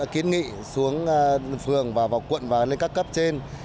kiến nghị xuống phường và vào quận và lên các cấp trên